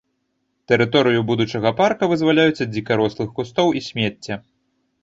Тэрыторыю будучага парка вызваляюць ад дзікарослых кустоў і смецця.